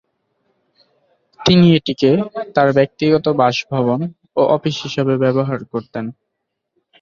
তিনি এটিকে তার ব্যক্তিগত বাসভবন ও অফিস হিসেবে ব্যবহার করতেন।